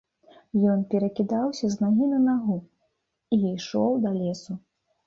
Ён перакідаўся з нагі на нагу і ішоў да лесу.